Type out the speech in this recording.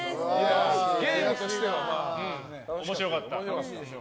ゲームとしては面白かった。